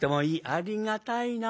ありがたいな。